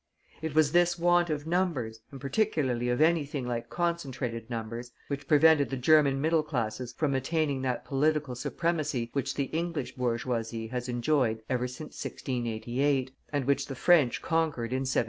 It was this want of numbers, and particularly of anything like concentrated numbers, which prevented the German middle classes from attaining that political supremacy which the English bourgeoisie has enjoyed ever since 1688, and which the French conquered in 1789.